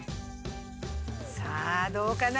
さあどうかな？